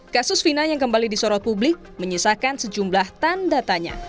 kasus fina yang kembali disorot publik menyisakan sejumlah tanda tanya